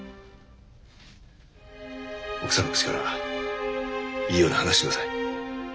奥さんの口からいいように話してください。